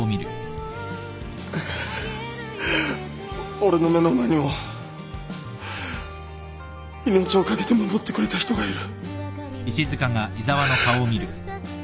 俺の目の前にも命を懸けて守ってくれた人がいる。